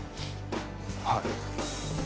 はい。